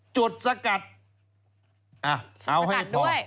สกัดเอาให้พอ